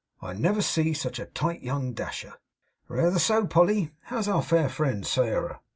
I never see such a tight young dasher.' 'Reether so, Polly. How's our fair friend, Sairah?